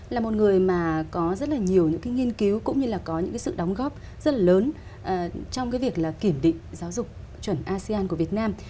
là một người mà có rất là nhiều những nghiên cứu cũng như là có những sự đóng góp rất là lớn trong việc kiểm định giáo dục chuẩn asean của việt nam